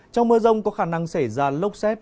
trong mưa rông có khả năng xảy ra lốc xét